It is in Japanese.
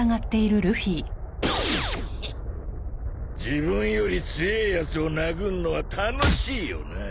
自分より強えやつを殴んのは楽しいよなぁ。